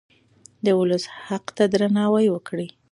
د ولس حق ته درناوی وکړئ.